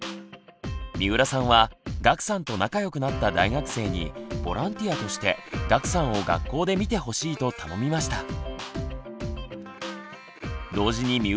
三浦さんは岳さんと仲よくなった大学生にボランティアとして岳さんを学校で見てほしいと頼みました。